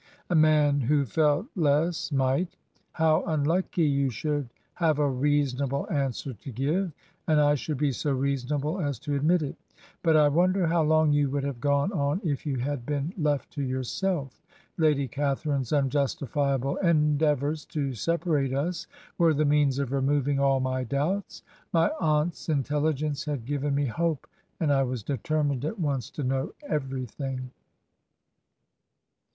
'A man who felt less might.' 'How xm lucky you should have a reasonable answer to give, and I should be so reasonable as to admit it I But I won der how long you would have gone on if you had been left to yourself?' 'Lady Catharine's unjustifiable en deavors to separate us were the means of removing all my doubts. ... My aunt's inteUigence had given me hope, and I was determined at once to know every thing.'"